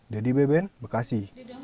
dedy beben bekasi